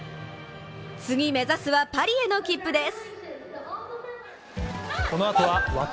次目指すはパリへの切符です。